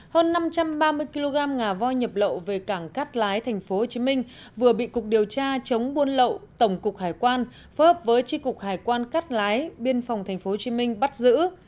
hơn năm trăm ba mươi kg ngà voi nhập lậu về cảng cát lái tp hcm vừa bị cục điều tra chống buôn lậu tổng cục hải quan phối hợp với tri cục hải quan cát lái biên phòng tp hcm bắt giữ